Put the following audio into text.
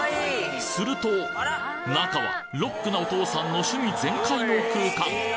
すると中はロックなお父さんの趣味全開の空間